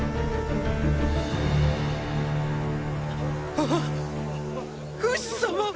ああフシ様！